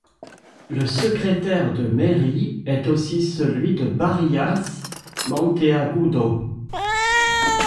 Le secrétaire de mairie est aussi celui de Barillas, Monteagudo.